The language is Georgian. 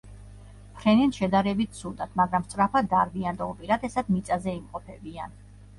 ფრენენ შედარებით ცუდად, მაგრამ სწრაფად დარბიან და უპირატესად მიწაზე იმყოფებიან.